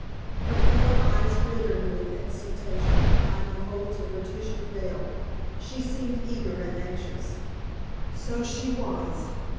Her pale eyes glittered with exultation behind the folds of her tissue veil; she seemed eager and anxious. So she was.